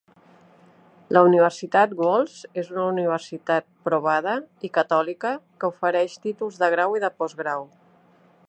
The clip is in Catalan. La Universitat Walsh és una universitat provada i catòlica que ofereix títols de grau i de postgrau.